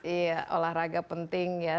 iya olahraga penting ya